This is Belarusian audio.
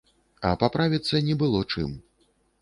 А паправіцца не было чым.